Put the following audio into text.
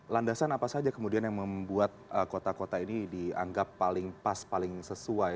landasan apa saja kemudian yang membuat kota kota ini dianggap paling pas paling sesuai